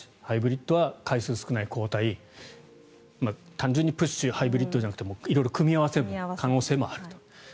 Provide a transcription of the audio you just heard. ハイブリッドは回数少ない交代単純にプッシュハイブリッドじゃなくて色々組み合わせる可能性もあると。